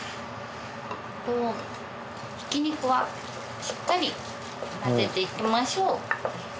ひき肉はしっかり混ぜていきましょう。